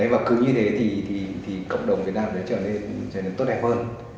và cứ như thế thì cộng đồng việt nam sẽ trở nên tốt đẹp hơn